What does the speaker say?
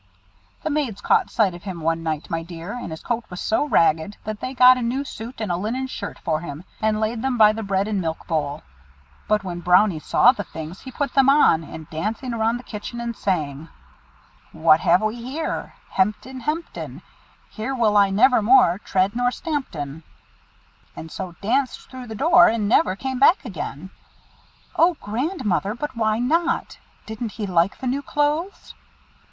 "The maids caught sight of him one night, my dear, and his coat was so ragged, that they got a new suit, and a linen shirt for him, and laid them by the bread and milk bowl. But when Brownie saw the things, he put them on, and dancing round the kitchen, sang, 'What have we here? Hemten hamten! Here will I never more tread nor stampen,' and so danced through the door, and never came back again." "O Grandmother! But why not? Didn't he like the new clothes?"